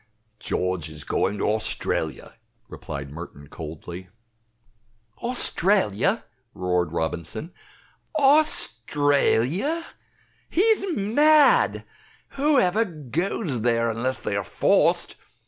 "George is going to Australia," replied Merton, coldly. "Australia!" roared Robinson "Australia! He's mad. Who ever goes there unless they are forced?